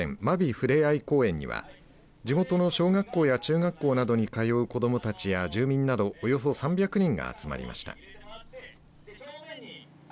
ふれあい公園には地元の小学校や中学校などに通う子どもたちや住民などおよそ３００人が集まりました。